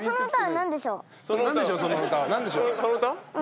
何でしょう？